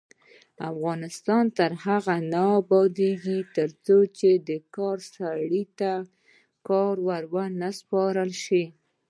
افغانستان تر هغو نه ابادیږي، ترڅو د کار سړي ته کار ونه سپارل شي.